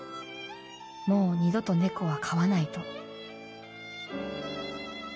もう二度と猫は飼わないと」。